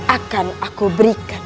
akan aku berikan